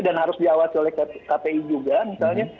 dan harus diawas oleh kpi juga misalnya